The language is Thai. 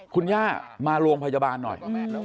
คุณย่ามาโรงพยาบาลหน่อย